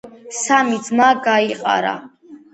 სამი ძმა გაიყარა.